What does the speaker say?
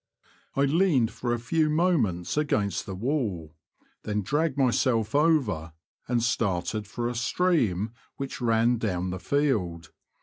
T leaned for a few moments against the wall, then dragged myself over, and started for a stream which ran down the field.